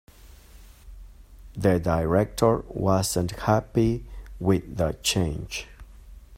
The director wasn't happy with the change.